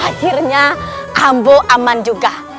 akhirnya ambo aman juga